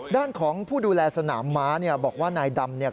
ด้านของผู้ดูแลสนามม้าบอกว่านายดำ